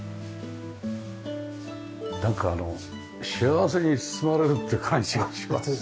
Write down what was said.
なんか幸せに包まれるっていう感じがしますよね。